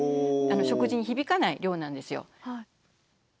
食事に響かない量なんですよ。